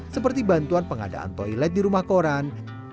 seperti bantuan pengadaan toilet di rumah koran